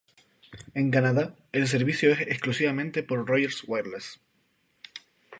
En Canadá, el servicio es exclusivamente por Rogers Wireless.